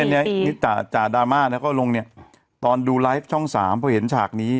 แล้วจากดราม่าแล้วก็ลงเนี่ยตอนดูไลฟ์ช่อง๓เพราะเห็นฉากนี้